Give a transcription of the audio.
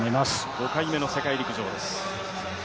５回目の世界陸上です。